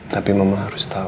tapi mama harus tahu